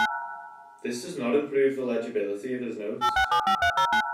This does not improve the legibility of his notes.